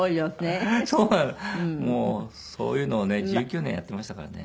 もうそういうのをね１９年やってましたからね。